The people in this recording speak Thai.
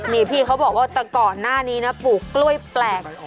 นี่พี่เขาบอกว่าแต่ก่อนหน้านี้นะปลูกกล้วยแปลก